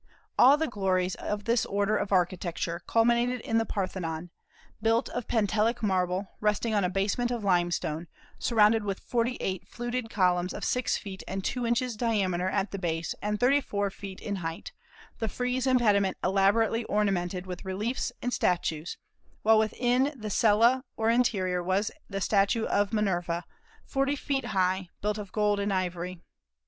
All the glories of this order of architecture culminated in the Parthenon, built of Pentelic marble, resting on a basement of limestone, surrounded with forty eight fluted columns of six feet and two inches diameter at the base and thirty four feet in height, the frieze and pediment elaborately ornamented with reliefs and statues, while within the cella or interior was the statue of Minerva, forty feet high, built of gold and ivory.